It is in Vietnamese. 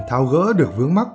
thao gỡ được vướng mắt